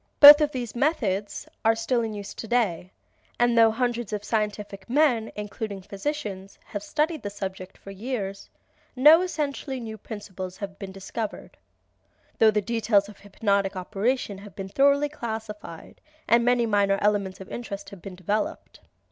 Both of these methods are still in use, and though hundreds of scientific men, including many physicians, have studied the subject for years, no essentially new principle has been discovered, though the details of hypnotic operation have been thoroughly classified and many minor elements of interest have been developed.